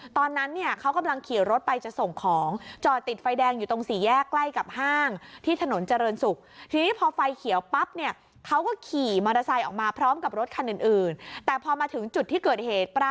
ตอนนั้นเนี่ยเขากำลังขี่รถไปจะส่งของจอดติดไฟแดงอยู่ตรง๔แยกใกล้กับห้างที่ถนนเจริญศุกร์